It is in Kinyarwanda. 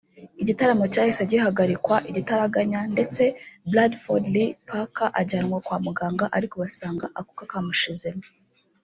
Igitaramo cyahise gihagarikwa igitaraganya ndetse Bradford Lee Parker ajyanwa kwa muganga ariko basanga akuka kamushizemo